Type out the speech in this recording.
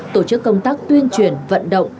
tổ chức công tác tuyên truyền vận động